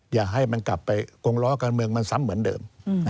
อย่าให้มันกลับไปกงล้อการเมืองมันซ้ำเหมือนเดิม